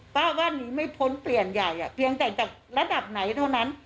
บ้านนี้ไม่พ้นเปลี่ยนใหญ่เพียงแต่จากระดับไหนเท่านั้น